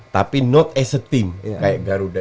tapi not as a team kayak garuda